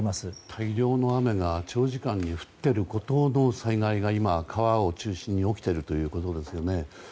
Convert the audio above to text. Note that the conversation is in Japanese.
大量の雨が長時間に降っているという災害が今、川を中心に起きているということですよね。